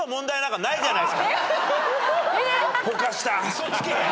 嘘つけ！